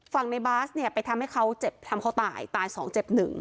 ฝั่งในบาร์สเนี่ยไปทำให้เขาเจ็บทำเขาตายตายสองเจ็บหนึ่ง